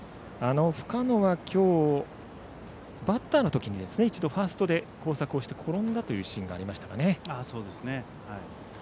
深野は今日、バッターのとき一度ファーストで交錯をして転んだというシーンがありましたね。